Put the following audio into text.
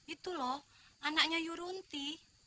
itu loh anaknya yurunti